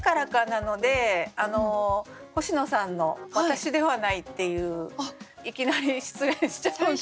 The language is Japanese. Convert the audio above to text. なので星野さんの「私ではない」っていういきなり失恋しちゃうんですけど。